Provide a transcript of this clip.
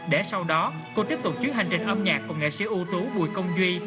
để sau đó cô tiếp tục chuyến hành trình âm nhạc của nghệ sĩ ưu tú bùi công duy